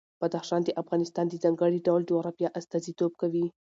بدخشان د افغانستان د ځانګړي ډول جغرافیه استازیتوب کوي.